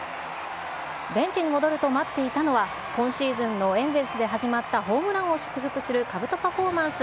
ベンチに戻ると、待っていたのは今シーズンのエンゼルスで始まったホームランを祝福するかぶとパフォーマンス。